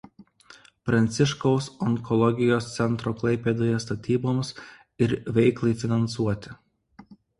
Pranciškaus onkologijos centro Klaipėdoje statyboms ir veiklai finansuoti.